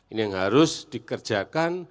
ini yang harus dikerjakan